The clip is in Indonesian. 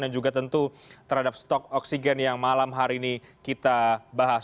dan juga tentu terhadap stok oksigen yang malam hari ini kita bahas